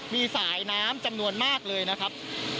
มีสายน้ำจำนวนมากเลยนะครับ